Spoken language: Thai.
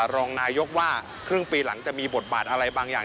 รองนายกว่าครึ่งปีหลังจะมีบทบาทอะไรบางอย่าง